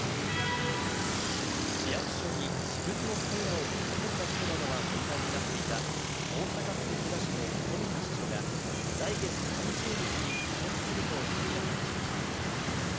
市役所に私物のサウナを持ち込んだことなどが問題になっていた大阪府池田市の冨田市長が、来月３０日に辞職すると明らかにしました。